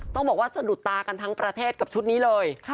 ต้องบอกว่าสะดุดตากันทั้งประเทศกับชุดนี้เลย